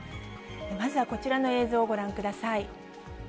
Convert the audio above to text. まずはこちらの映像をご覧ください。